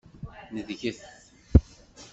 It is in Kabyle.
Neṭget!